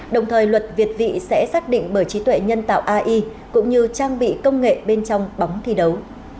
đồng thời luật việt vị sẽ xác định bởi trí tuệ nhân tạo ai cũng như trang bị công nghệ bên trong bóng thi đấu